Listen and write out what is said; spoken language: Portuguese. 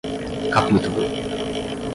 Capítulo